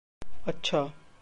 अच्छा